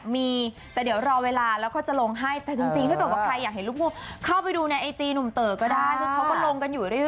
ก็เดี๋ยวสักพักคงน่าจะมีช่วงเวลานั้นที่เราอยากลง